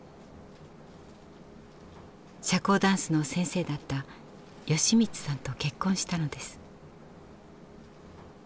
社交ダンスの先生だった好光さんと結婚したのです。